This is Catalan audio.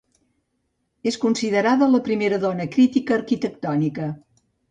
És considerada la primera dona crítica arquitectònica.